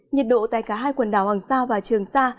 nhiệt độ tại cả hai quần đảo hoàng sa và trường sa